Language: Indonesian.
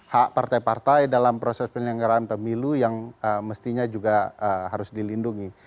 hak partai partai dalam proses penyelenggaraan pemilu yang mestinya juga harus dilindungi